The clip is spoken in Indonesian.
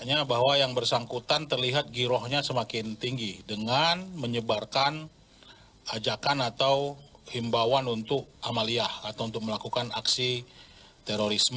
artinya bahwa yang bersangkutan terlihat girohnya semakin tinggi dengan menyebarkan ajakan atau himbawan untuk amaliyah atau untuk melakukan aksi terorisme